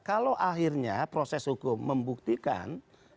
kalau akhirnya proses hukum membuktikan